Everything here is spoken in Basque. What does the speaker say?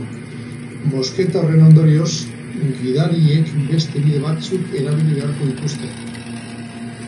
Mozketa horren ondorioz, gidariek beste bide batzuk erabili beharko dituzte.